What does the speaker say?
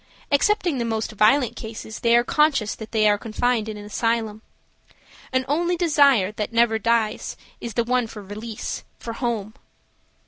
Excepting the most violent cases, they are conscious that they are confined in an asylum. An only desire that never dies is the one for release, for home.